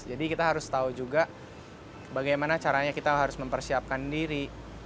jadi kita harus tahu juga bagaimana caranya kita harus mempersiapkan diri